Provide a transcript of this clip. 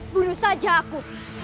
bunuh saja aku